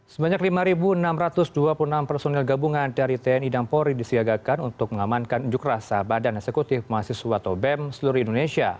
sebanyak lima enam ratus dua puluh enam personil gabungan dari tni dan polri disiagakan untuk mengamankan unjuk rasa badan eksekutif mahasiswa atau bem seluruh indonesia